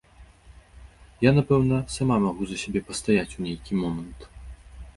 Я, напэўна, сама магу за сябе пастаяць у нейкі момант.